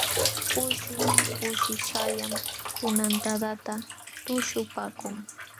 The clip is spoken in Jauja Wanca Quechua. Kushi kushishqallam tunantadata tuśhupaakun.